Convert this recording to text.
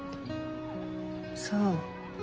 そう。